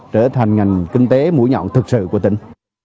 trở thành ngành kinh tế mũi nhọn thực sự của tỉnh